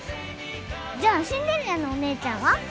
じゃあシンデレラのお姉ちゃんは？